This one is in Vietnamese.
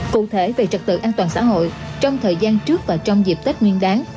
cụ thể về trật tự an toàn xã hội trong thời gian trước và trong dịp tết nguyên đáng